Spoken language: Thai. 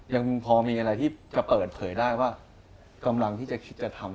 ยังพอมีอะไรที่จะเปิดเผยได้ว่ากำลังที่จะคิดจะทำ